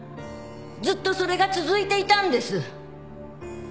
ずっとそれが続いていたんです。